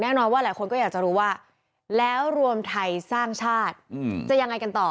แน่นอนว่าหลายคนก็อยากจะรู้ว่าแล้วรวมไทยสร้างชาติจะยังไงกันต่อ